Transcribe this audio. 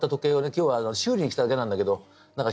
今日は修理に来ただけなんだけど何か新作とか言われて。